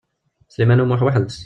Sliman U Muḥ weḥd-s.